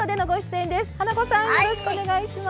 花子さんよろしくお願いします。